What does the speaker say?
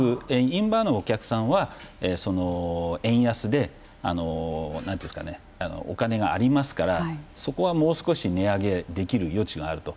インバウンドのお客さんは円安でお金がありますからそこはもう少し値上げできる余地があると。